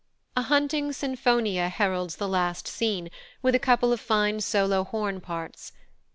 A hunting "Sinfonia" heralds the last scene, with a couple of fine solo horn parts.